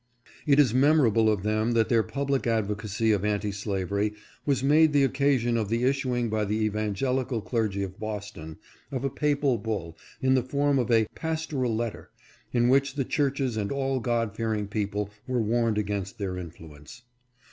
It is memorable of them that their public advocacy of anti slavery was made the occasion of the issuing by the evangelical clergy of Boston, of a papal bull, in the form of a " pastoral letter," in which the churches and all God fearing people were warned against their influence.